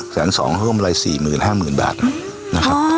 แสนสองเขาก็มารัยสี่หมื่นห้าหมื่นบาทนะครับ